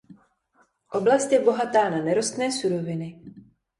Oblast je bohatá na nerostné suroviny.